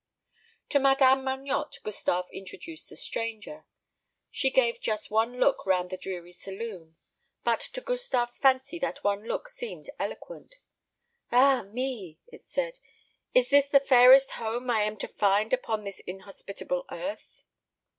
To Madame Magnotte Gustave introduced the stranger. She gave just one look round the dreary saloon; but to Gustave's fancy that one look seemed eloquent. "Ah me!" it said; "is this the fairest home I am to find upon this inhospitable earth?"